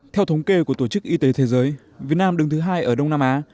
theo thống kê của tổ chức y tế thế giới việt nam đứng thứ hai ở đông nam á